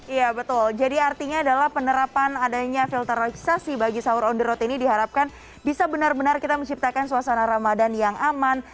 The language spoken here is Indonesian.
iya betul jadi artinya adalah penerapan adanya filterisasi bagi sahur on the road ini diharapkan bisa benar benar kita menciptakan suasana ramadan yang aman